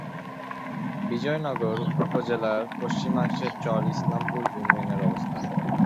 বিজয়নগর উপজেলার পশ্চিমাংশে চর ইসলামপুর ইউনিয়নের অবস্থান।